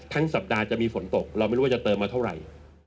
สัปดาห์จะมีฝนตกเราไม่รู้ว่าจะเติมมาเท่าไหร่